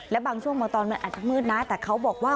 และบางช่วงบางตอนมันอาจจะมืดนะแต่เขาบอกว่า